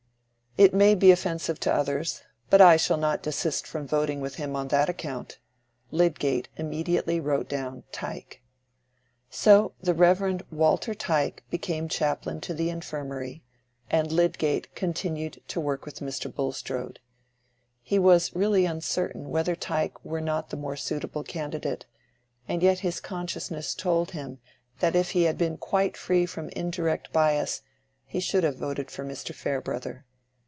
"It may be offensive to others. But I shall not desist from voting with him on that account." Lydgate immediately wrote down "Tyke." So the Rev. Walter Tyke became chaplain to the Infirmary, and Lydgate continued to work with Mr. Bulstrode. He was really uncertain whether Tyke were not the more suitable candidate, and yet his consciousness told him that if he had been quite free from indirect bias he should have voted for Mr. Farebrother.